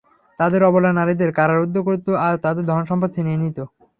তাদের অবলা নারীদের কারারুদ্ধ করত আর তাদের ধনসম্পদ ছিনিয়ে নিত।